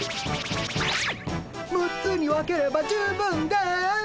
６つに分ければ十分です。